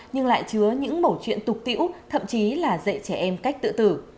nhưng lại chứa những mẫu chuyện tục tiễu thậm chí là dạy trẻ em cách tự tử